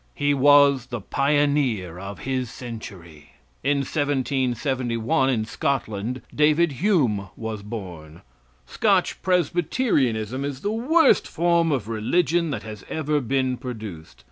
He was the pioneer of his century. In 1771, in Scotland, David Hume was born. Scotch Presbyterianism is the worst form of religion that has ever been produced.